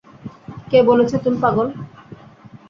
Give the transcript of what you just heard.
কে বলেছে তুমি পাগল?